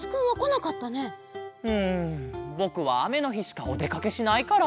うんぼくはあめのひしかおでかけしないから。